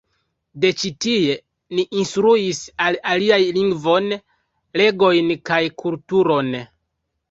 De ĉi tie ni instruis al aliaj lingvon, leĝojn kaj kulturon.